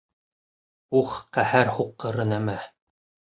— Ух, ҡәһәр һуҡҡыры нәмә!